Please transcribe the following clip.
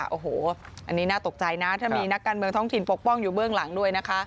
โอ้โหอันนี้น่าตกใจนะถ้ามีนักการเมืองท้องถิ่นปกป้องอยู่เบื้องหลังด้วยนะคะ